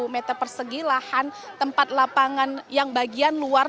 seribu meter persegi lahan tempat lapangan yang bagian luar